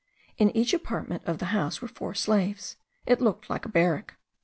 In each apartment of the house were four slaves: it looked like a barrack.